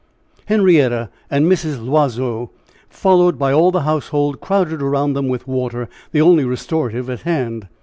Henrietta and Mrs. L'Oiseau, followed by all the household, crowded around them with water, the only restorative at hand.